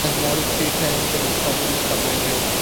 She has married three times and is currently separated.